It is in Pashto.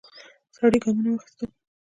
سړی ګامونه واخیستل.